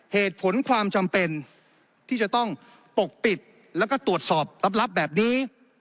เหตุผลความจำเป็นที่จะต้องปกปิดแล้วก็ตรวจสอบลับแบบนี้